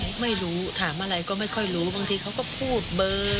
ไม่ไม่รู้ถามอะไรก็ไม่ค่อยรู้บางทีเขาก็พูดเบอร์ไปถามอีกอย่าง